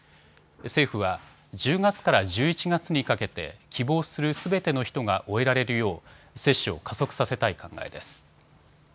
政府は１０月から１１月にかけて希望するすべての人が終えられるよう接種を加速させたい考えです。